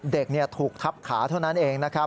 เด็กถูกทับขาเท่านั้นเองนะครับ